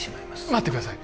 待ってください